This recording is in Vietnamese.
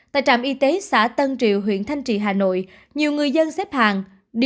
tại trạm y tế xã tân triệu huyện thanh trì hà nội nhiều người dân xếp hàng đi